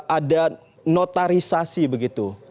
ada notarisasi begitu